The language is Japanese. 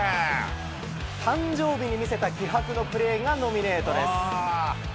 誕生日に見せた気迫のプレーがノミネートです。